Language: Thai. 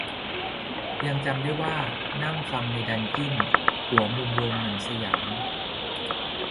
ยังจำได้ว่านั่งฟังในดังกิ้น หัวมุมโรงหนังสยาม